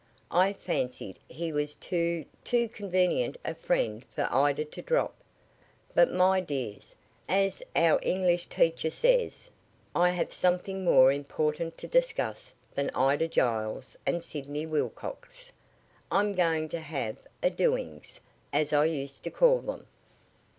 "I fancied he was too too convenient a friend for Ida to drop. But my dears, as our English teacher says, I have something more important to discuss than Ida Giles and Sidney Wilcox. I'm going to have a `doings,' as I used to call them."